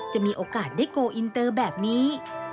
จะมีโอกาสได้โกลอินเตอร์แบบนี้